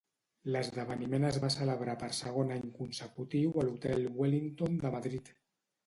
L'esdeveniment es va celebrar per segon any consecutiu a l'Hotel Wellington de Madrid.